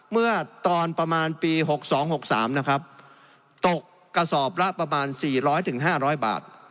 เมื่อตอนประมาณปีหกสองหกสามนะครับตกกระสอบละประมาณสี่ร้อยถึงห้าร้อยบาท